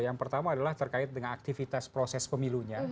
yang pertama adalah terkait dengan aktivitas proses pemilunya